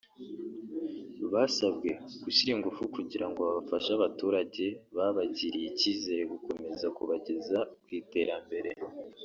basabwe gushyira ingufu kugira ngo bafashe abaturage babagiriye icyizere gukomeza kubageza ku iterambere